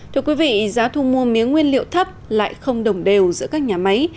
thưa quý vị giá thu mua mía nguyên liệu thấp lại không đồng đều giữa các nhà máy